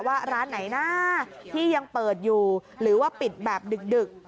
ว่าร้านไหนนะที่ยังเปิดอยู่หรือว่าปิดแบบดึก